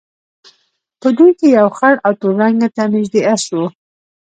په دوی کې یو خړ او تور رنګ ته نژدې اس وو.